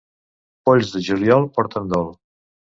Polls de juliol porten dol.